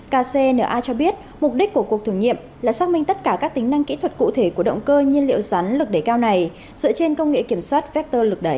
kcna cho biết mục đích của cuộc thử nghiệm là xác minh tất cả các tính năng kỹ thuật cụ thể của động cơ nhiên liệu rắn lực để cao này dựa trên công nghệ kiểm soát vector lực đẩy